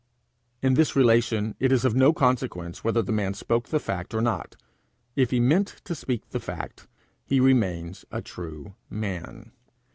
In this relation it is of no consequence whether the man spoke the fact or not; if he meant to speak the fact, he remains a true man.